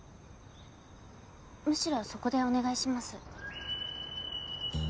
むしろそこでお願いします。